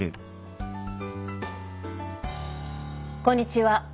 こんにちは。